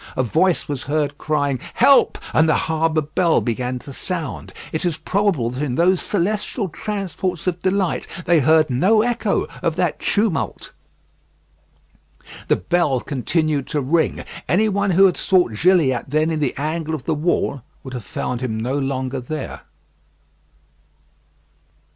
A voice was heard crying "Help!" and the harbour bell began to sound. It is probable that in those celestial transports of delight they heard no echo of that tumult. The bell continued to ring. Any one who had sought Gilliatt then in the angle of the wall would have found him no longer there.